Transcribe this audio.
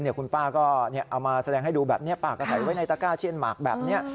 คุณป้าก็เอามาแสดงให้ดูแบบนี้ป้าก็ใส่ไว้ในตะก้าเชียนหมากแบบนี้